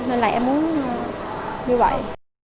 nên là em muốn như vậy